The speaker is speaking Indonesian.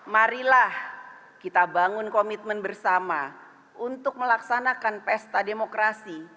marilah kita bangun komitmen bersama untuk melaksanakan pesta demokrasi